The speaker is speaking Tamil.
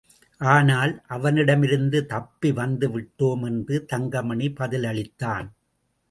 ஆனால், அவனிடமிருந்து தப்பி வந்துவிட்டோம் என்று தங்கமணி பதிலளித்தான்.